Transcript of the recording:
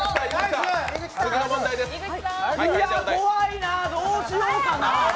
いや、怖いな、どうしようかな。